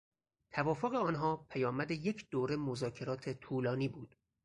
توافق آنان پیامد یک دوره مذاکرات طولانی بود.